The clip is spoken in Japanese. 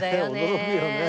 驚くよね。